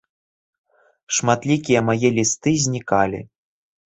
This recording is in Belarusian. Шматлікія мае лісты знікалі.